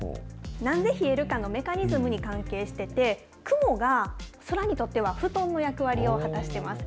なんで冷えるかのメカニズムに関係してて、雲が空にとっては布団の役割を果たしています。